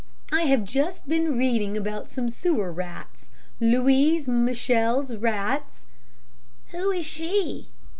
I have just been reading about some sewer rats, Louise Michel's rats " "Who is she?"